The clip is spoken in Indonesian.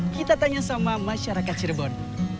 kita tanya sama masyarakat cirebon